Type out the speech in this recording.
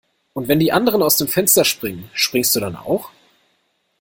Und wenn die anderen aus dem Fenster springen, springst du dann auch?